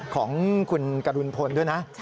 ของคุณกรุณพลด้วยนะ